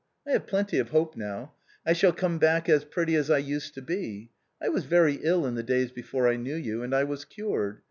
I have plenty of hope now. I shall come back as pretty as I used to be. I was very ill in the days before I knew you, and I was cured.